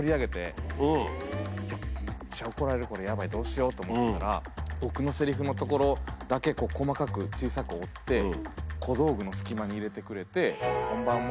めっちゃ怒られるこれヤバいどうしようと思ったら僕のセリフのところだけ細かく小さく折って小道具の隙間に入れてくれて。